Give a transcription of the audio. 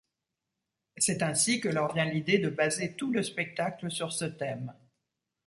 C’est ainsi que leur vient l’idée de baser tout le spectacle sur ce thème.